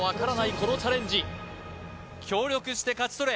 このチャレンジ協力して勝ち取れ！